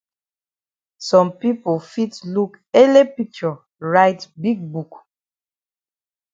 Some pipo fit look ele picture write big book.